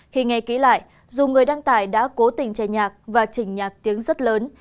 khi nghe ký lại dù người đăng tải đã cố tình che nhạc và chỉnh nhạc tiếng rất lớn